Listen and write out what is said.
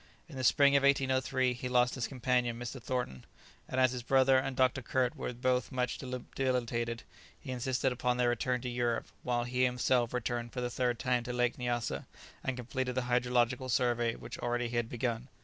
In the spring of 1803 he lost his companion Mr. Thornton, and as his brother and Dr. Kirk were both much debilitated, he insisted upon their return to Europe, while he himself returned for the third time to Lake Nyassa, and completed the hydrographical survey which already he had begun.